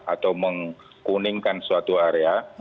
atau mengkuningkan suatu area